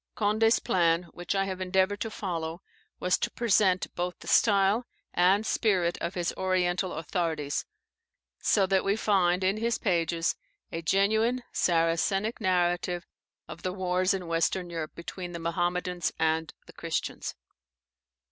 Conde's plan, which I have endeavoured to follow, was to present both the style and spirit of his oriental authorities, so that we find in his pages a genuine Saracenic narrative of the wars in Western Europe between the Mahommedans and the Christians.